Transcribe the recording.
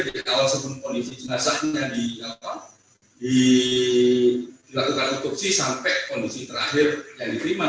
dari awal sebelum kondisi jenazahnya dilakukan otopsi sampai kondisi terakhir yang diterima